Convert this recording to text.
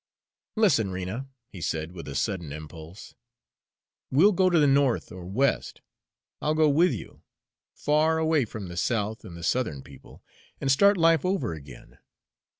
"Listen, Rena," he said, with a sudden impulse, "we'll go to the North or West I'll go with you far away from the South and the Southern people, and start life over again.